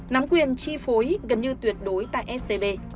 nắm quyền chi phối gần như tuyệt đối tại scb